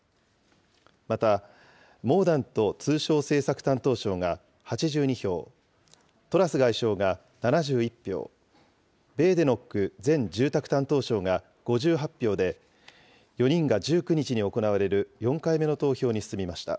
また、モーダント通商政策担当相が８２票、トラス外相が７１票、ベーデノック前住宅担当相が５８票で、４人が１９日に行われる４回目の投票に進みました。